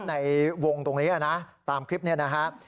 ในวงตรงนี้นะตามคลิปนี้นะฮะ